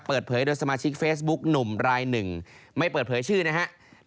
เปิดเผยโดยสมาชิกเฟซบุ๊กหนุ่มรายหนึ่งไม่เปิดเผยชื่อนะครับ